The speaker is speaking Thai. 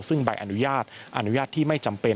ซึ่งใบอนุญาตอนุญาตที่ไม่จำเป็น